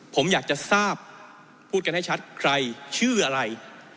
ผมอยากจะทราบพูดกันให้ชัดใครชื่ออะไร